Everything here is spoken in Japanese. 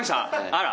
あら。